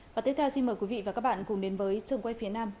và tiếp theo xin mời quý vị và các bạn cùng đến với trường quay phía nam